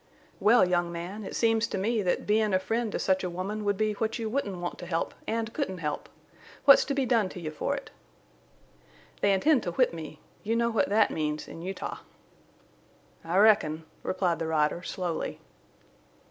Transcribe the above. "Well, young man, it seems to me that bein' a friend to such a woman would be what you wouldn't want to help an' couldn't help.... What's to be done to you for it?" "They intend to whip me. You know what that means—in Utah!" "I reckon," replied the rider, slowly.